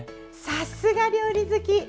さすが料理好き！